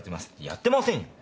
やってませんよ。